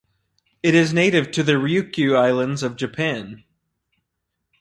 It is native to the Ryukyu Islands of Japan.